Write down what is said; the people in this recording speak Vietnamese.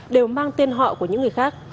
đều mang tên họ của những người khác